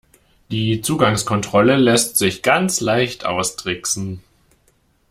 Die Zugangskontrolle lässt sich ganz leicht austricksen.